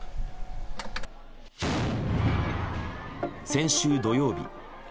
先週土曜日。